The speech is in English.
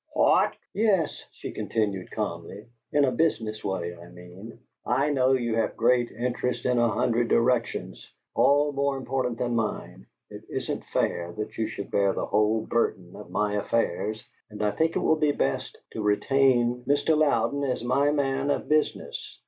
"What!" "Yes," she continued, calmly, "in a business way I mean. I know you have great interests in a hundred directions, all more important than mine; it isn't fair that you should bear the whole burden of my affairs, and I think it will be best to retain Mr. Louden as my man of business.